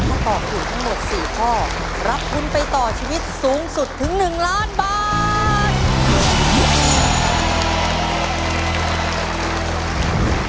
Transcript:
ถ้าตอบถูกทั้งหมด๔ข้อรับทุนไปต่อชีวิตสูงสุดถึง๑ล้านบาท